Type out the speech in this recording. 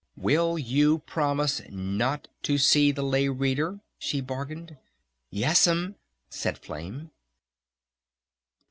"Will you promise not to see the Lay Reader?" she bargained. " Yes'm," said Flame.